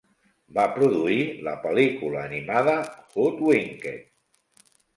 Va produir la pel·lícula animada Hoodwinked!